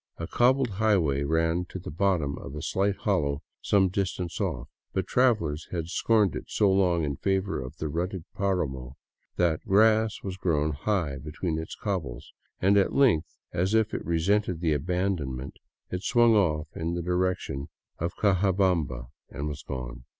A cobbled highway ran along the bottom of a slight hollow some dis tance off, but travelers had scorned it so long in favor of the rutted paramo that grass was grown high between its cobbles ; and at length, as if it resented the abandonment, it swung off in the direction of Cajabamba and was gone.